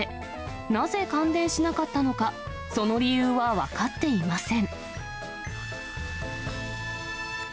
なぜ感電しなかったのか、その理由は分かっていません。